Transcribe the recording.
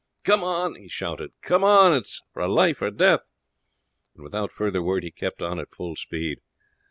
"Come on!" he shouted. "Come on, it is for life or death!" and without further word he kept on at full speed.